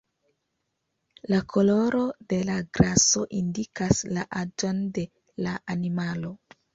La koloro de la graso indikas la aĝon de la animalo.